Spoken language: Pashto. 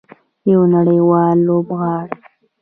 یو نړیوال لوبغاړی.